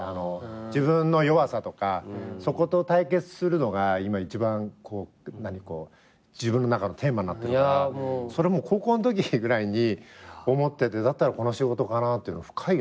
自分の弱さとかそこと対決するのが今一番自分の中のテーマになってるからそれもう高校のときぐらいに思っててだったらこの仕事かなっていうの深いよね。